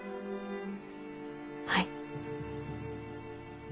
はい。